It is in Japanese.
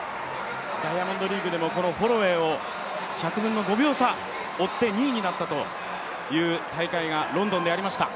ダイヤモンドリーグでもこのホロウェイを１００分の５秒差を追って２位になったという大会がロンドンでありました。